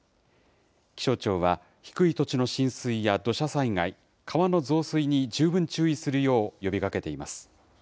気象庁は低い土地の浸水や土砂災害、川の増水に十分注意するよう呼びかけています。